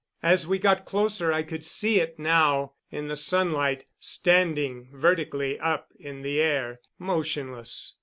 As we got closer I could see it now in the sunlight, standing vertically up in the air, motionless.